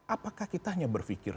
apakah kita hanya berfikir